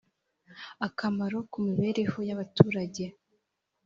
akamaro ku mibereho y abaturage